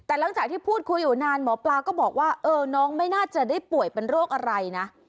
แต่หลังจากที่พูดคุยอยู่นานหมอปลาก็บอกว่าเออน้องไม่น่าจะได้ป่วยเป็นโรคอะไรนะ